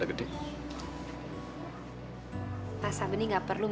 ada patah tulangnya kagak